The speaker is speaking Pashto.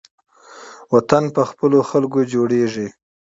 وطن په خپلو خلکو جوړیږي